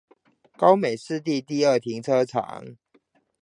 高美濕地第二停車場